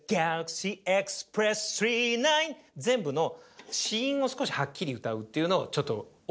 全部の子音を少しはっきり歌うっていうのをちょっと大げさに。